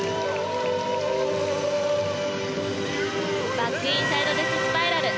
バックインサイドデススパイラル。